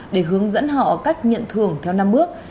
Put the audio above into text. để hướng dẫn họ cách nhận thưởng theo năm bước